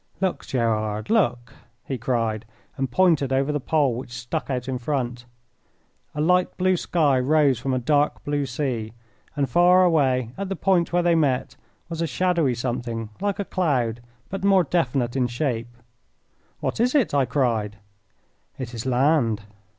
"Look, Gerard, look!" he cried, and pointed over the pole which stuck out in front. A light blue sky rose from a dark blue sea, and far away, at the point where they met, was a shadowy something like a cloud, but more definite in shape. "What is it?" I cried. "It is land."